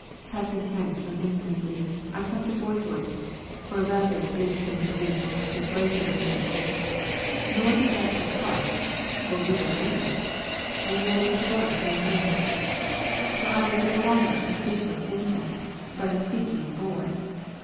Passing hence from infancy, Icome to boyhood, or rather it came to me, displacing infancy. Nor did that de part— (for whither went it?) — and yetitwasnomore. Forlwas 8 Learning to speak — boyish prayer. CONF. no longer a speechless infant, but a speaking boy.